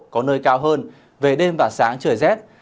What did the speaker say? có nơi cao hơn về đêm và sáng trời rét